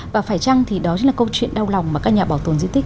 và phải chăng thì đó chính là câu chuyện đau lòng mà các nhà bảo tồn di tích